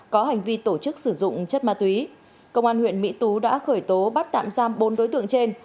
có hành vi tổ chức sử dụng chất ma túy công an huyện mỹ tú đã khởi tố bắt tạm giam bốn đối tượng trên